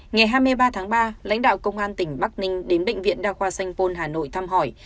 ngày hai mươi ba tháng ba lãnh đạo công an tỉnh bắc ninh đến bệnh viện đa khoa sanh pôn hà nội thăm hỏi